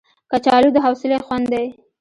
کچالو د حوصلې خوند دی